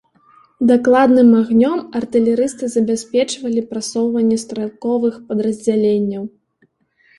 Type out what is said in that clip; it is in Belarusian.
Дакладным агнём артылерысты забяспечвалі прасоўванне стралковых падраздзяленняў.